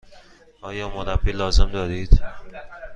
آیا مربی لازم دارید؟